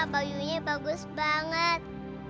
bajunya bagus banget